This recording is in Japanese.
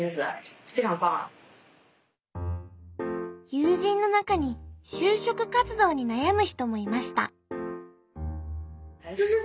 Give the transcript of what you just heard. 友人の中に就職活動に悩む人もいました。